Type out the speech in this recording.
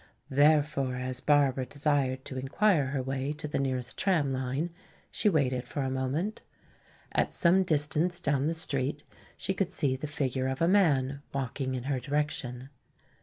Therefore, as Barbara desired to inquire her way to the nearest tram line, she waited for a moment. At some distance down the street she could see the figure of a man walking in her direction.